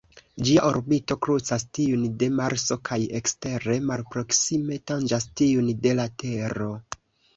Ĝia orbito krucas tiun de Marso kaj ekstere malproksime tanĝas tiun de la Tero.